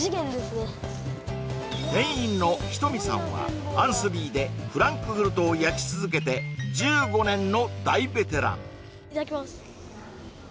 店員の人見さんはアンスリーでフランクフルトを焼き続けて１５年の大ベテランいただきます